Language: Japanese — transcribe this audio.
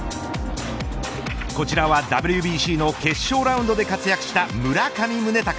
こちらはＷＢＣの決勝ラウンドで活躍した村上宗隆。